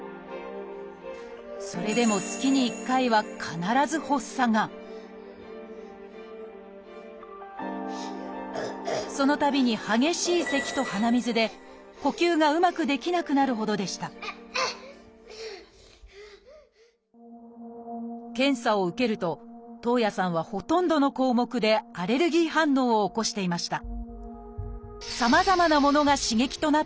それでも月に１回は必ず発作がそのたびに激しいせきと鼻水で呼吸がうまくできなくなるほどでした検査を受けると徳文さんはほとんどの項目でアレルギー反応を起こしていました。